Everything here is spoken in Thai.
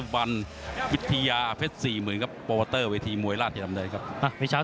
ประเด็งท์ย้ำเล็กโตจ่ะ